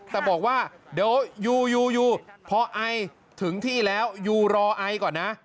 แต่บอกว่าเดี๋ยวอยู่อยู่อยู่เพราะไอถึงที่แล้วอยู่รอไอก่อนนะ